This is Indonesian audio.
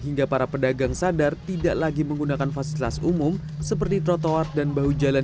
hingga para pedagang sadar tidak lagi menggunakan fasilitas umum seperti trotoar dan bahu jalan